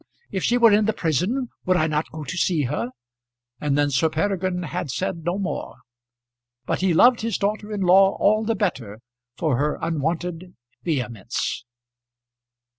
If she were in the prison, would I not go to see her?" And then Sir Peregrine had said no more, but he loved his daughter in law all the better for her unwonted vehemence.